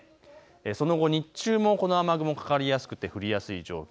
その後、日中もこの雨雲かかりやすくて降りやすい状況。